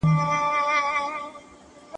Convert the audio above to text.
زه به اوږده موده د نوي لغتونو يادونه کړې وم!.